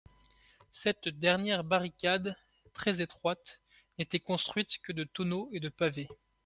Cette dernière barricade, très étroite, n'était construite que de tonneaux et de pavés.